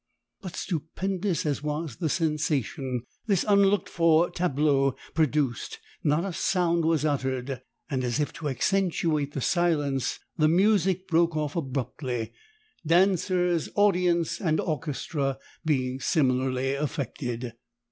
But stupendous as was the sensation this unlooked for tableau produced, not a sound was uttered and, as if to accentuate the silence, the music broke off abruptly, dancers, audience, and orchestra being similarly affected.